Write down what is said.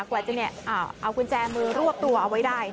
กว่าจะเอากุญแจมือรวบตัวเอาไว้ได้